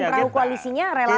apapun perahu koalisinya relawan